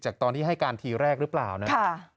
ตอนที่ให้การทีแรกหรือเปล่านะครับ